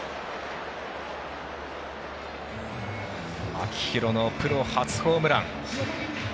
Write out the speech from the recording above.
秋広のプロ初ホームラン。